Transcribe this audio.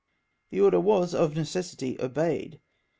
The order was of necessity obeyed.